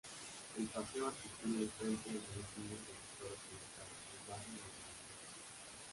El paseo articula el frente marítimo del sector occidental del barrio de La Malagueta.